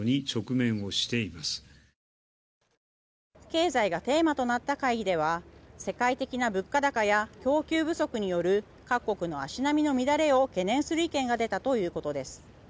経済がテーマとなった会議では世界的な物価高や供給不足による各国の足並みの乱れを懸念する意見が出たということです。